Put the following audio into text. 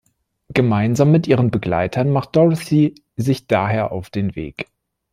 Gemeinsam mit ihren Begleitern macht Dorothy sich daher auf den Weg.